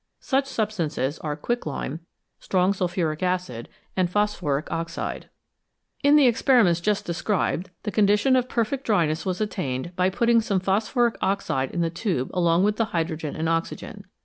Such substances are quicklime, strong sulphuric acid, and phosphoric oxide. 327 SMALL CAUSES; GREAT EFFECTS In the experiments just described the condition of perfect dryness was attained by putting some phosphoric oxide in the tube along with the hydrogen and the oxygen.